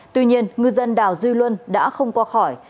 tuy nhiên ngư dân đào duy luân đã không qua khỏi